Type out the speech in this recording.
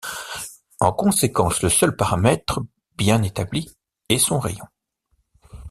En conséquence, le seul paramètre bien établi est son rayon.